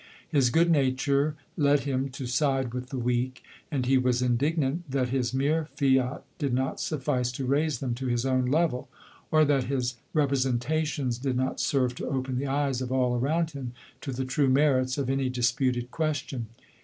His good nature led him to side with the weak ; and he was indignant that his mere fiat did not suffice to raise them to his own level, or that his repre sentations did not serve to open the eyes of all around him to the true merits of any disputed question.